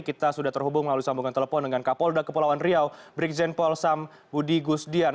kita sudah terhubung melalui sambungan telepon dengan kapolda kepulauan rio brikjen polsam budi gustian